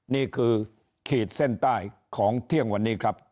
นี่คือขีดเส้นใต้ของเที่ยงวันนี้ครับ